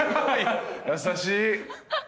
優しい。